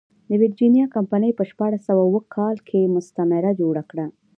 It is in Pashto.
ویرجینیا کمپنۍ په شپاړس سوه اووه کال کې مستعمره جوړه کړه.